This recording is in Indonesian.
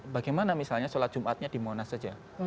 bagaimana misalnya sholat jumatnya di monas saja